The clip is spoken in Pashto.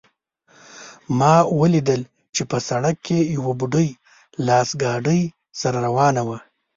ما ولیدل چې په سړک کې یوه بوډۍ لاس ګاډۍ سره روانه وه